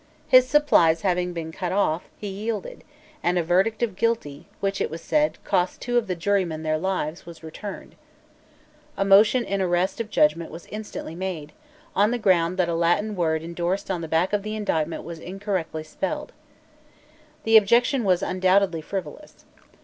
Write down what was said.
His supplies having been cut off, he yielded; and a verdict of Guilty, which, it was said, cost two of the jurymen their lives, was returned. A motion in arrest of judgment was instantly made, on the ground that a Latin word indorsed on the back of the indictment was incorrectly spelt. The objection was undoubtedly frivolous.